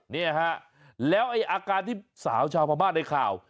เนี่ยนะฮะแล้วไอ้อาการที่สาวชาวมาบ้านได้ข่าว